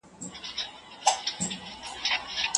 شاګرد د ليکني ژبه څنګه ساده کوي؟